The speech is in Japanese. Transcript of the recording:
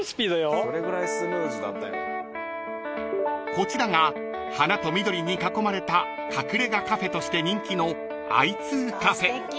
［こちらが花と緑に囲まれた隠れ家カフェとして人気の］